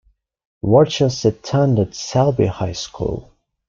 Warchus attended Selby High School.